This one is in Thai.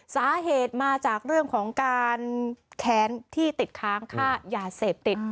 สาเหตุมาจากเรื่องของการแค้นที่ติดค้างค่ายาเสพติด